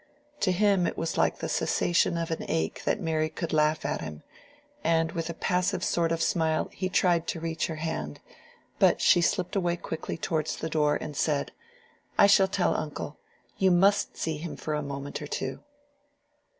To him it was like the cessation of an ache that Mary could laugh at him, and with a passive sort of smile he tried to reach her hand; but she slipped away quickly towards the door and said, "I shall tell uncle. You must see him for a moment or two."